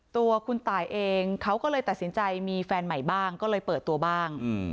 ตัวคุณตายเองเขาก็เลยตัดสินใจมีแฟนใหม่บ้างก็เลยเปิดตัวบ้าง